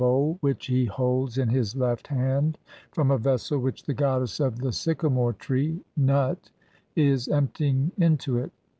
1 1 1 bowl, which he holds in his left hand, from a vessel which the goddess of the sycamore tree (Nut) is emptying into it.